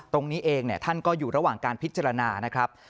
ตรงนี้เองท่านก็อยู่ระหว่างการพิจารณานะครับ